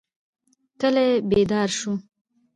کلی بیدار شو.